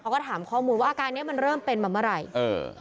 เขาก็ถามข้อมูลว่าอาการเนี้ยมันเริ่มเป็นมาเมื่อไหร่เออ